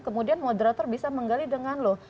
kemudian moderator bisa menggali dengan loh